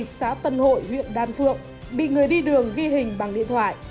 xã tân hội huyện đan phượng bị người đi đường ghi hình bằng điện thoại